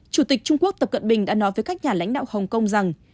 chủ tịch trung quốc tập cận bình đã nói với các nhà lãnh đạo hồng kông rằng